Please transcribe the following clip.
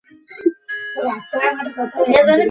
এটি সেই সময়ের জন্য খুবই দুঃসাহসিক কাজ ছিল।